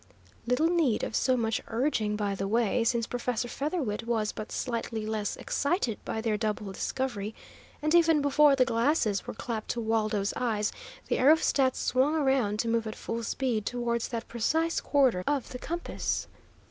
Little need of so much urging, by the way, since Professor Featherwit was but slightly less excited by their double discovery, and even before the glasses were clapped to Waldo's eyes the aerostat swung around to move at full speed towards that precise quarter of the compass.